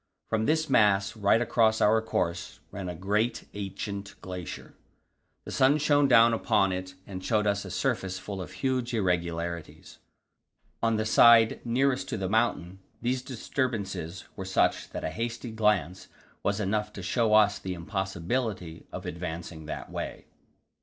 From this mass, right across our course, ran a great, ancient glacier; the sun shone down upon it and showed us a surface full of huge irregularities. On the side nearest to the mountain these disturbances were such that a hasty glance was enough to show us the impossibility of advancing that way.